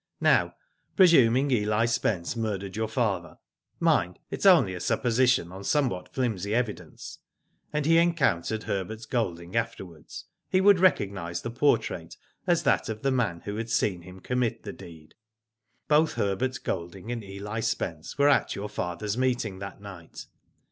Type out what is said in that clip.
Now, presuming Eli Spence murdered your father — mind it is only a supposition on somewhat flimsy evidence — and he encountered Herbert Golding after wards, he would recognise the portrait as that of the man who had seen him commit the deed. Both Herbert Golding and Eli Spence were at your father's meeting that night.